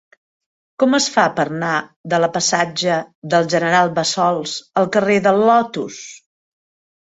Com es fa per anar de la passatge del General Bassols al carrer del Lotus?